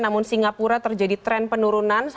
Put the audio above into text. namun singapura terjadi tren penurunan